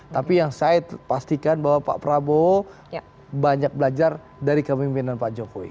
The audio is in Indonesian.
tapi yang saya pastikan bahwa pak prabowo banyak belajar dari kemimpinan pak jokowi